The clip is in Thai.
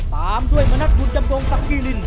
ตามด้วยมนักลุ่นจำนวงตักกี้ริน